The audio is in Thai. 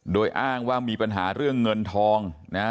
โดยอ้างว่ามีปัญหาเรื่องเงินทองนะฮะ